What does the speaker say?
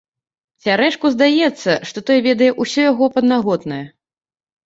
Цярэшку здаецца, што той ведае ўсё яго паднаготнае.